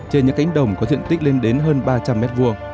trên những cánh đồng có diện tích lên đến hơn ba trăm linh m hai